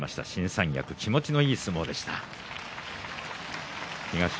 翔猿気持ちのいい相撲でした。